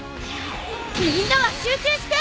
みんなは集中して！